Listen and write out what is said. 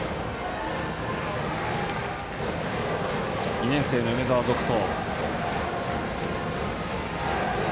２年生の梅澤、続投。